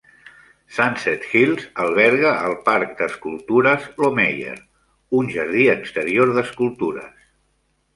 Sunset Hills alberga el Parc d'Escultures Laumeier, un jardí exterior d'escultures.